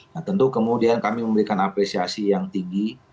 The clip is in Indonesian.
nah tentu kemudian kami memberikan apresiasi yang tinggi